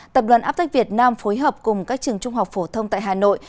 tập đoàn áp tách việt nam phối hợp cùng các trường trung học phổ thông tại hà nội